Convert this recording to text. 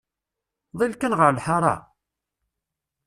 Ḍill kan ɣer lḥara!